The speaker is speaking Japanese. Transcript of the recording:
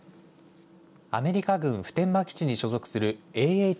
アメリカ軍普天間基地に所属するＡＨ